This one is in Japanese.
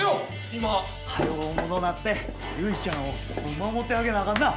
今！はよ大物なって結ちゃんを守ってあげなあかんな！